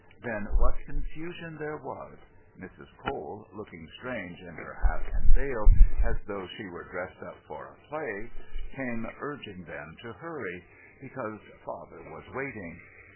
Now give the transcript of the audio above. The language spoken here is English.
Then what confusion there was! Mrs. Cole, looking strange in her hat and veil, as though she were dressed up for a play, came urging them to hurry, "because Father was waiting."